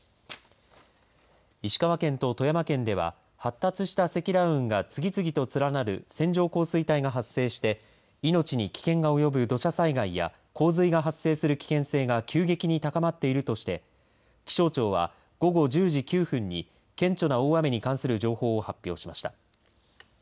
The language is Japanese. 石川県と富山県では発達した積乱雲が次々と連なる線状降水帯が発生して命に危険が及ぶ土砂災害や洪水が発生する危険性が急激に高まっているとして気象庁は午後１０時９分に顕著な大雨に関する情報を発表しました。